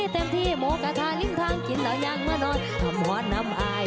เต็มที่หมอกระทาริมทางกินแล้วยังมานอนทำหมอน้ำอาย